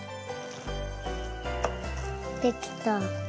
できた。